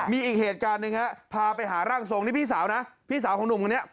มีอีกเหตุการณ์หนึ่งฮะพาไปหาร่างทรงนี่พี่สาวนะพี่สาวของหนุ่มคนนี้